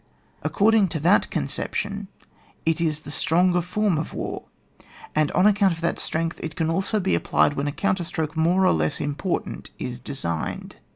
According to that conception it is the stronger form of war, and on account of that strength it can also be applied when a counterstroke more or less im portant is designed.